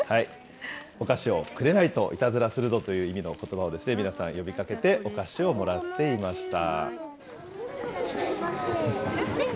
お菓子をくれないといたずらするぞという意味のことばを皆さん呼びかけて、お菓子をもらっていました。